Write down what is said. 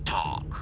く！